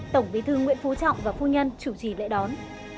tổng bí thư nguyễn phú trọng và phu nhân chủ trì lễ đón